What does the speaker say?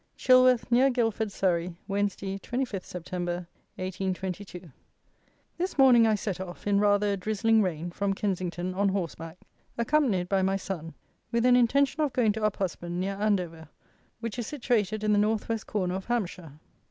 Chilworth, near Guildford, Surrey, Wednesday, 25th Sept., 1822. This morning I set off, in rather a drizzling rain, from Kensington, on horseback, accompanied by my son, with an intention of going to Uphusband, near Andover, which is situated in the North West corner of Hampshire.